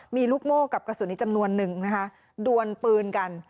มีลูกโม่กับกระสุนอีกจำนวนนึงนะคะดวนปืนกัน